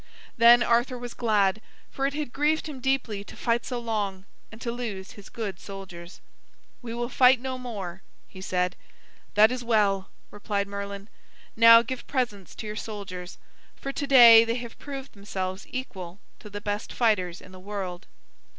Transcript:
Then Arthur was glad, for it had grieved him deeply to fight so long and to lose his good soldiers. "We will fight no more," he said. "That is well," replied Merlin. "Now give presents to your soldiers, for to day they have proved themselves equal to the best fighters in the world."